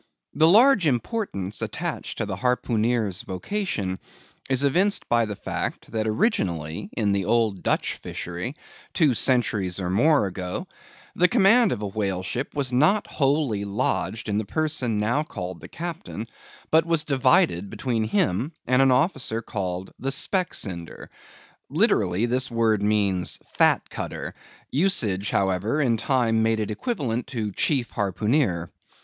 The large importance attached to the harpooneer's vocation is evinced by the fact, that originally in the old Dutch Fishery, two centuries and more ago, the command of a whale ship was not wholly lodged in the person now called the captain, but was divided between him and an officer called the Specksnyder. Literally this word means Fat Cutter; usage, however, in time made it equivalent to Chief Harpooneer.